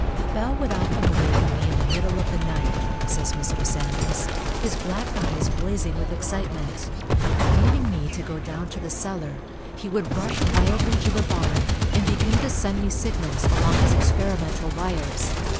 "Bell would often awaken me in the middle of the night," says Mr. Sanders, "his black eyes blazing with excitement. Leaving me to go down to the cellar, he would rush wildly to the barn and begin to send me signals along his experimental wires.